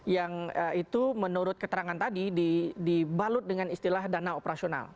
yang itu menurut keterangan tadi dibalut dengan istilah dana operasional